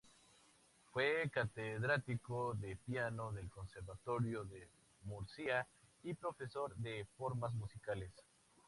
Fue catedrático de piano del conservatorio de Murcia y profesor de Formas Musicales.